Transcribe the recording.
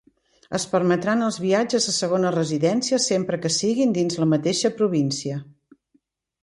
Es permetran els viatges a segones residències sempre que siguin dins la mateixa província.